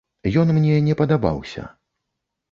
Ён мне не падабаўся.